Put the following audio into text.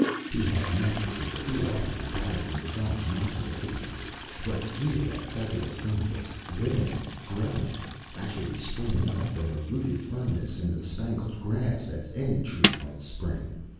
He had met the symbol too often in patterns and designs not to recognize it, but here that fabulous thing was living, growing, actually springing up from a rooted firmness in the spangled grass as any tree might spring.